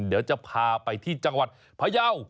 เราจะพาไปที่จังหวัดพระเยาะ